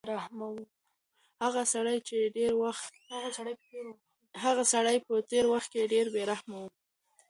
هغه سړی په تېر وخت کې ډېر بې رحمه و.